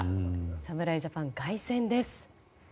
侍ジャパン凱旋です。